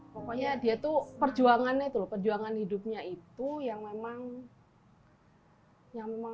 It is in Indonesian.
pokoknya dia tuh perjuangannya itu perjuangan hidupnya itu yang memang